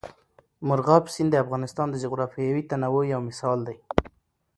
مورغاب سیند د افغانستان د جغرافیوي تنوع یو مثال دی.